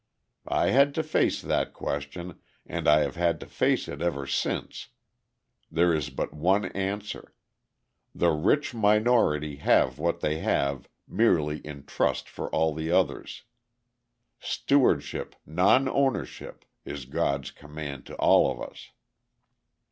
I had to face that question, and I have had to face it ever since. There is but one answer the rich minority have what they have merely in trust for all the others. Stewardship, non ownership, is God's command to all of us.